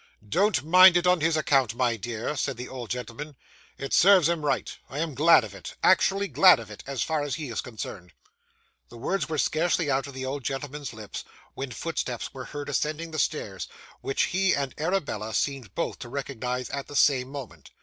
'Don't mind it on his account, my dear,' said the old gentleman. 'It serves him right. I am glad of it actually glad of it, as far as he is concerned.' The words were scarcely out of the old gentleman's lips, when footsteps were heard ascending the stairs, which he and Arabella seemed both to recognise at the same moment.